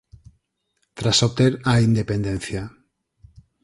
Tras obter á independencia.